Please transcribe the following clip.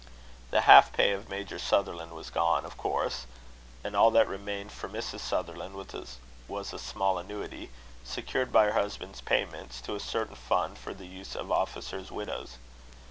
The half pay of Major Sutherland was gone, of course; and all that remained for Mrs. Sutherland was a small annuity, secured by her husband's payments to a certain fund for the use of officers' widows.